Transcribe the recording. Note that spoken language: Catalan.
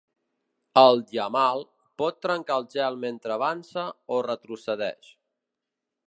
El "yamal" pot trencar el gel mentre avança o retrocedeix.